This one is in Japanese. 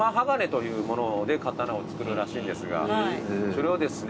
それをですね